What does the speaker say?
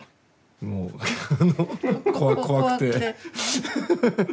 もう怖くて。